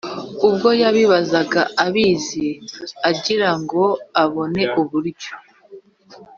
Ubwo yabibazaga abizi, Agira ngo abone uburyo